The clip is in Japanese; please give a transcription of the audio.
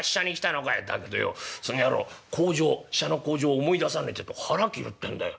「だけどよその野郎口上使者の口上を思い出さねえてえと腹切るってんだよ。